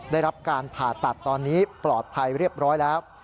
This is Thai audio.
ได้รับการผ่าตัดตอนนี้ปลอดภัยเรียบร้อยแล้ว